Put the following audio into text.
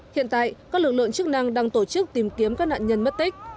hiện tại các lực lượng chức năng đang tổ chức tìm kiếm các nạn nhân mất tích